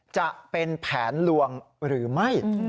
จะเป็นแผนลวงหรือไม่